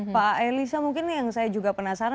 pak elisa mungkin yang saya juga penasaran